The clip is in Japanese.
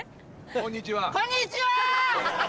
こんにちは。